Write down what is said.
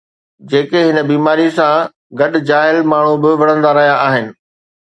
جيڪي هن بيماريءَ سان گڏ جاهل ماڻهو به وڙهندا رهيا آهن